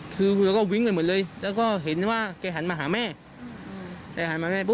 คือเราก็วิ้งไปหมดเลยแล้วก็เห็นว่าแกหันมาหาแม่